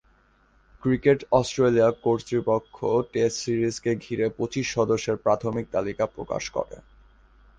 Cricket Australia কর্তৃপক্ষ test সিরিজকে ঘিরে পঁচিশ সদস্যের প্রাথমিক তালিকা প্রকাশ করে।